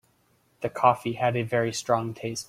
The coffee had a very strong taste.